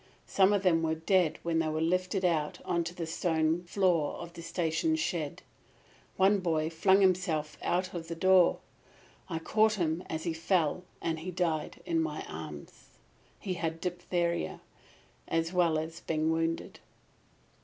Some of them were dead when they were lifted out onto the stone floor of the station shed. One boy flung himself out of the door. I caught him as he fell and he died in my arms. He had diphtheria, as well as being wounded.